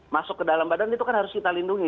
masuk ke dalam badan itu kan harus kita lindungi